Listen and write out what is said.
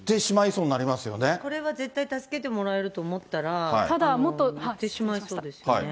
これ、これは絶対助けてもらえると思ったら言ってしまいそうですね。